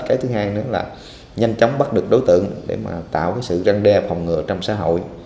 cái thứ hai nữa là nhanh chóng bắt được đối tượng để mà tạo cái sự răng đe phòng ngừa trong xã hội